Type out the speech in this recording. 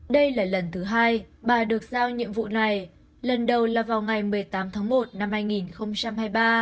đây là lần thứ hai bà được giao nhiệm vụ này lần đầu là vào ngày một mươi tám tháng một năm hai nghìn hai mươi ba